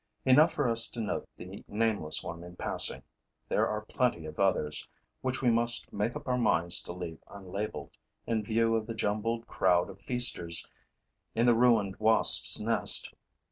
Enough for us to note the nameless one in passing. There are plenty of others, which we must make up our minds to leave unlabelled, in view of the jumbled crowd of feasters in the ruined wasps' nest.